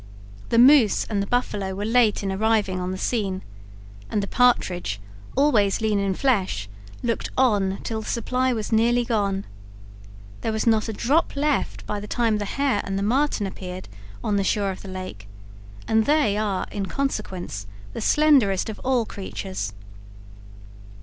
The moose and the buffalo were late in arriving on the scene, and the partridge, always lean in flesh, looked on till the supply was nearly gone. There was not a drop left by the time the hare and the marten appeared on the shore of the lake, and they are, in consequence, the slenderest of all creatures.